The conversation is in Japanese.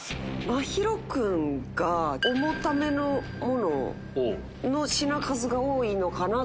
真宙君が重ためのものの品数が多いのかなと。